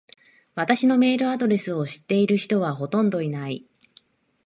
私のメールアドレスを知ってる人はほとんどいない。